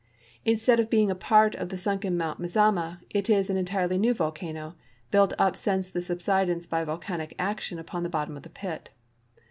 Instead of being a part of the sunken Mount Mazama, it is an entirely new volcano built uj) since the subsidence by volcanic action upon, the bottom of the i)it.